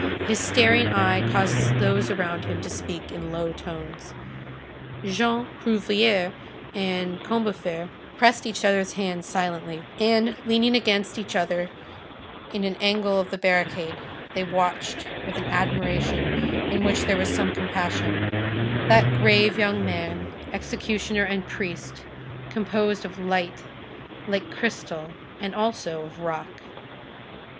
His staring eye caused those about him to speak in low tones. Jean Prouvaire and Combeferre pressed each other's hands silently, and, leaning against each other in an angle of the barricade, they watched with an admiration in which there was some compassion, that grave young man, executioner and priest, composed of light, like crystal, and also of rock.